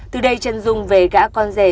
từ đây trần dung về gã con rẻ